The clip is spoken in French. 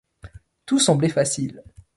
Tout semblait facile.